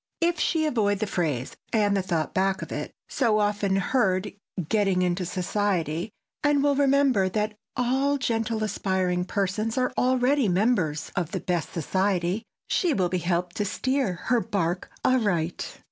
If she avoid the phrase—and the thought back of it—so often heard, "getting into society," and will remember that all gentle aspiring persons are already members of the best society, she will be helped to steer her bark aright.